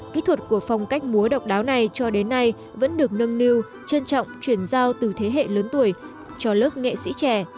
kỹ thuật của phong cách múa độc đáo này cho đến nay vẫn được nâng niu trân trọng chuyển giao từ thế hệ lớn tuổi cho lớp nghệ sĩ trẻ